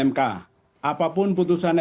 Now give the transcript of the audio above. mk apapun putusan